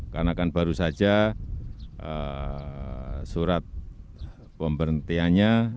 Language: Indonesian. karena kan baru saja surat pemberhentiannya